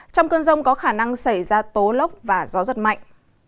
trong cơn rông có khả năng xảy ra tố lốc và gió giật mạnh